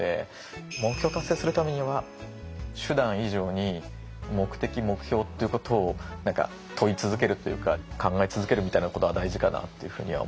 目標を達成するためには手段以上に目的目標ということを何か問い続けるというか考え続けるみたいなことが大事かなというふうには思いますね。